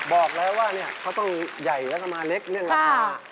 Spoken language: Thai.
บอกแล้วว่าเนี่ยเขาต้องใหญ่แล้วก็มาเล็กเรื่องราคา